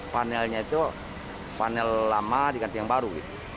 panelnya itu panel lama diganti yang baru